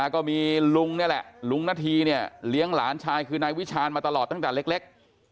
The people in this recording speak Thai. ก็มีลุงนาธีศรีรัตน์เลี้ยงหลานชายคือนายวิชาณมาตลอดตั้งแต่เล็ก